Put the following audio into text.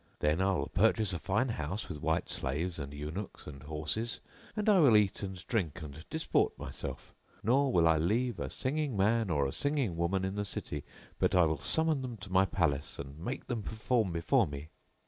Then I will purchase a fine house with white slaves and eunuchs and horses; and I will eat and drink and disport myself; nor will I leave a singing man or a singing woman in the city, but I will summon them to my palace and make them perform before me."